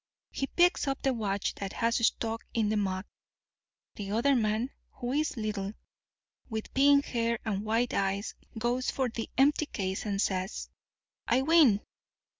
He picks up the watch that has stuck in the mud. The other man, who is little, with pink hair and white eyes, goes for the empty case, and says, 'I win.